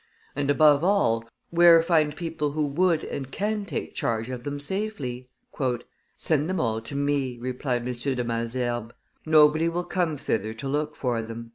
And, above all, where find people who would and can take charge of them safely?" "Send them all to me," replied M. de Malesherbes; "nobody will come thither to look for them."